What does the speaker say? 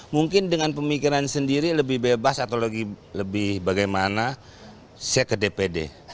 mungkin dengan pemikiran sendiri lebih bebas atau lebih bagaimana saya ke dpd